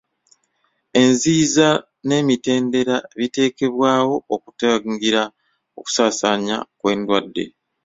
Enziyiza n'emitendera biteekebwawo okutangira okusaasaana kw'endwadde.